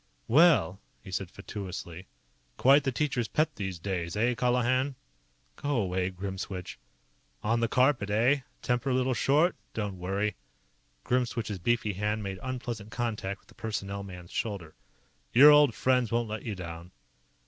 "Well!" he said fatuously. "Quite the teacher's pet, these days. Eh, Colihan?" "Go away, Grimswitch." "On the carpet, eh? Temper a little short? Don't worry." Grimswitch's beefy hand made unpleasant contact with the Personnel man's shoulder. "Your old friends won't let you down."